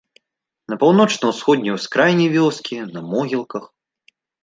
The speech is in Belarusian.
На паўночна-ўсходняй ускраіне вёскі, на могілках.